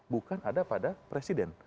bukan ada pada presiden